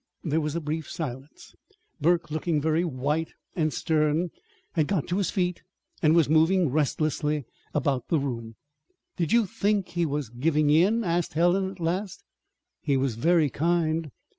There was a brief silence. Burke, looking very white and stern, had got to his feet, and was moving restlessly about the room. "Did you think he was giving in?" asked Helen at last. "He was very kind."